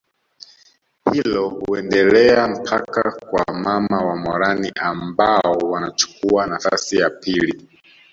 Hilo huendelea mpaka kwa mama wa morani ambao wanachukuwa nafasi ya pili